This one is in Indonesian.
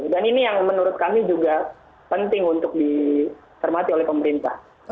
dan ini yang menurut kami juga penting untuk disermati oleh pemerintah